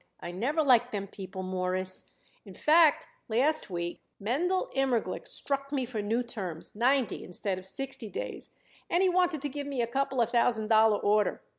"I never liked them people, Mawruss. In fact, last week Mendel Immerglick struck me for new terms ninety instead of sixty days and he wanted to give me a couple of thousand dollar order.